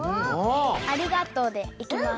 ありがとうでいきます。